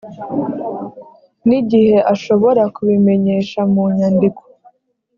n igihe ashobora kubimenyesha mu nyandiko